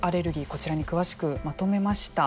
こちらに詳しくまとめました。